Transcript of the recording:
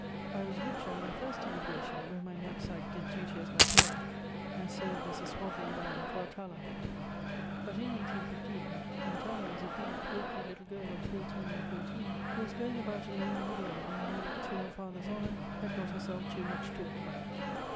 I was richer in my first emigration, when my knapsack did duty as my pillow and served as a swaddling band for Atala: but, in 1815, Atala was a big gawky little girl of thirteen or fourteen, who was going about alone in the world and who, to her father's honour, had got herself too much talked about.